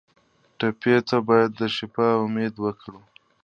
ټپي ته باید د شفا امید ورکړو.